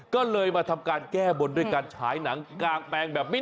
ก็เลยมาทำการแก้บนด้วยการฉายหนังกางแปลงแบบนี้